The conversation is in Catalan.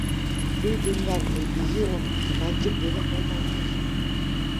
Fruit d'un llarg litigi, la imatge quedà molt malmesa.